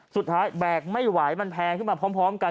แบกไม่ไหวมันแพงขึ้นมาพร้อมกัน